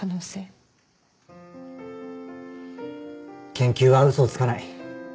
研究は嘘をつかない。